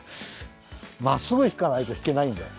まっすぐひかないとひけないんだよ。